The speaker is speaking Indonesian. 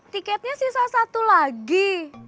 tiketnya sisa satu lagi